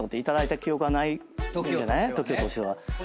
ＴＯＫＩＯとしてはね。